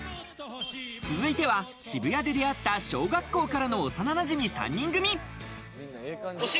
続いては渋谷で出会った小学校からの幼なじみ３人組。